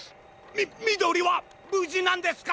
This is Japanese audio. みみどりはぶじなんですか！？